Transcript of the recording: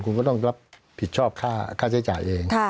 คุณก็ต้องรับผิดชอบค่าใช้จ่ายเอง